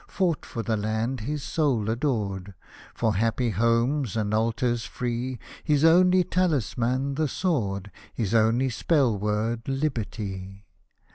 Fought for the land his soul adored. For happy homes and altars free, His only taHsman, the sword, His only spell word, Liberty